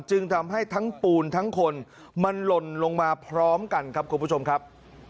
จึงทำให้ทั้งปูนทั้งคนมันหล่นลงมาพร้อมกันครับคุณผู้ชมครับ